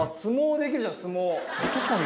確かに。